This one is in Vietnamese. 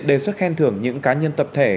đề xuất khen thưởng những cá nhân tập thể